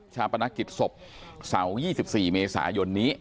ปนักกิจศพเสาร์๒๔เมษายนนี้